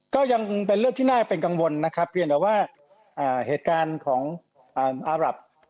ก็ยังเป็นเรื่องที่น่าเป็นกังวลนะครับเพียงแต่ว่าเหตุการณ์ของอารับ